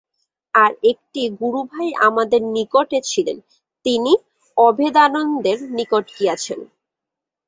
আর একটি গুরুভাই আমার নিকটে ছিলেন, তিনি অভেদানন্দের নিকট গিয়াছেন।